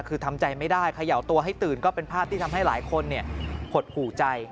คือทำใจไม่ได้เขย่าตัวให้ตื่นก็เป็นภาพที่ทำให้หลายคนหดหูใจ